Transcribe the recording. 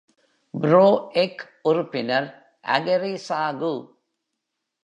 Pro எக் உறுப்பினர் அகரி சாகு.